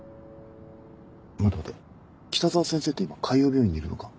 待て待て北澤先生って今海王病院にいるのか？